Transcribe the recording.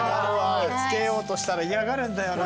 着けようとしたら嫌がるんだよな。